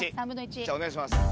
じゃあお願いします。